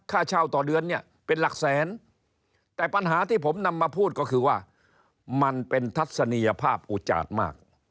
ค่าเช่าต่อเดือนเนี่ยเป็นหลักแสนแต่ปัญหาที่ผมนำมาพูดก็คือว่ามันเป็นทัศนียภาพอุจาดมาก